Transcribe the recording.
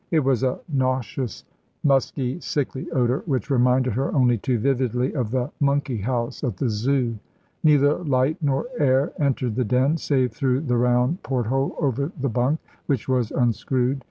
It was a nauseous, musky, sickly odour, which reminded her only too vividly of the monkey house at the Zoo. Neither light nor air entered the den, save through the round port hole over the bunk, which was unscrewed.